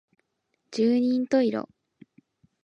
十人十色